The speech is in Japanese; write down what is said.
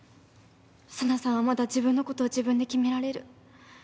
紗奈さんはまだ自分のことを自分で決められる。